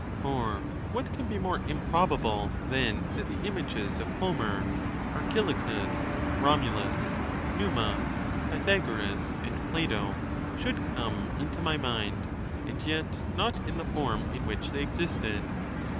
For what can be more im probable than that the images of Homer, Archilochus, Rom ulus, Numa, Pythagoras, and Plato should come into my mind, and yet not in the form in which they existed